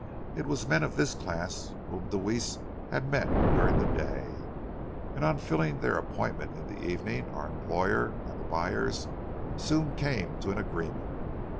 It was men of this class whom Deweese had met during the day, and on filling their appointment in the evening, our employer and the buyers soon came to an agreement.